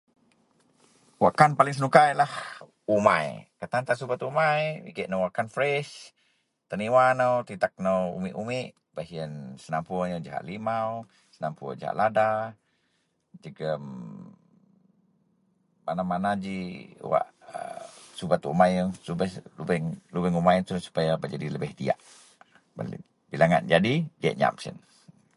wakkan paling senuka ienlah umai, kutan tan subet umai igek inou wakkan fresh, teniwa nou tetek nou umek-umek, baih ien senapur inou jahak limau, senapur jahak lada jegum mana-mana ji wak a subet umai ien lubeang umai ien supaya jadi lebih diyak, bila ngak jadi diyak nyaam sien